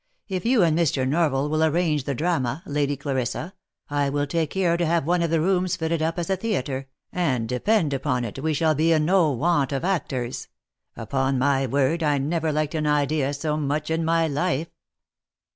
If you and Mr. Norval will arrange the drama, Lady Clarissa, I will take care to have one of the rooms fitted up as a theatre, and depend upon it we shall be in no want of actors. Upon my word I never liked any idea so much in my life."